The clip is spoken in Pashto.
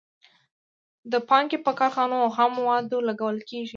دا پانګه په کارخانو او خامو موادو لګول کېږي